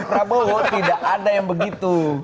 prabowo tidak ada yang begitu